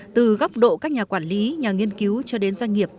từ góc độ các nhà quản lý nhà nghiên cứu cho đến doanh nghiệp